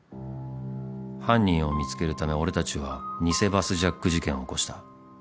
［犯人を見つけるため俺たちは偽バスジャック事件を起こした］